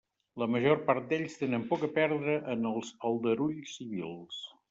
La major part d'ells tenen poc a perdre en els aldarulls civils.